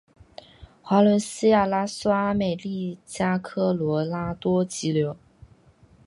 华伦西亚拉素阿美利加科罗拉多急流